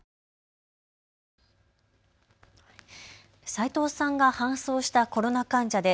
齋藤さんが搬送したコロナ患者で